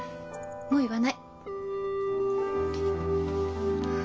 もう言わない。